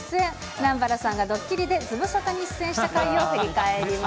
南原さんがドッキリでズムサタに出演した回を振り返ります。